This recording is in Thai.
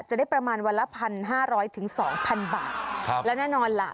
จะได้ประมาณวันละพันห้าร้อยถึงสองพันบาทครับแล้วแน่นอนล่ะ